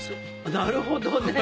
なるほどね。